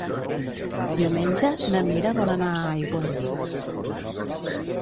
Diumenge na Mira vol anar a Aigües.